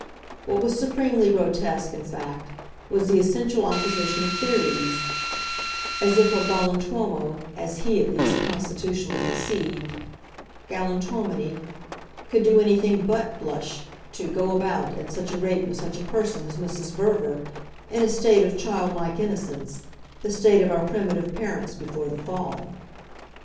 What was supremely grotesque, in fact, was the essential opposition of theories as if a galantuomo, as HE at least constitutionally conceived galantuomini, could do anything BUT blush to "go about" at such a rate with such a person as Mrs. Verver in a state of childlike innocence, the state of our primitive parents before the Fall.